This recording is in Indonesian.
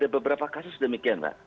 beberapa kasus demikian